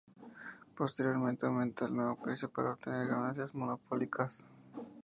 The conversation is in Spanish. Posteriormente aumenta el nuevo precio para obtener ganancias monopólicas.